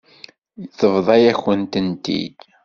Tebḍa-yakent-tent-id.